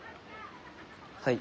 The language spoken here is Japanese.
はい。